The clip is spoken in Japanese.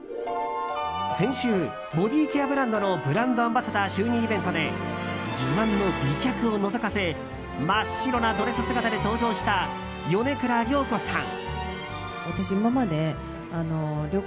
先週、ボディーケアブランドのブランドアンバサダー就任イベントで自慢の美脚をのぞかせ真っ白なドレス姿で登場した米倉涼子さん。